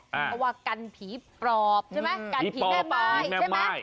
เพราะว่ากันผีปลอบใช่ไหมกันผีแม่ไม้ใช่ไหม